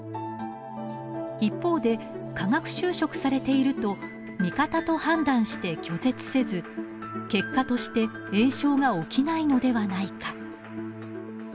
一方で化学修飾されていると味方と判断して拒絶せず結果として炎症が起きないのではないか。